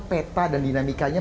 peta dan dinamikanya